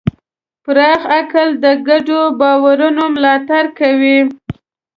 پراخ عقل د ګډو باورونو ملاتړ کوي.